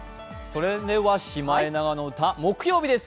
それでは、「シマエナガの歌」木曜日です。